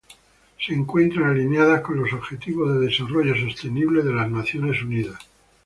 Se encuentran alineadas con los Objetivos de Desarrollo Sostenible de las Naciones Unidas.